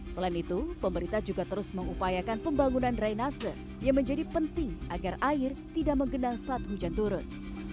selain itu pemerintah juga terus mengupayakan pembangunan drainase yang menjadi penting agar air tidak menggenang saat hujan turun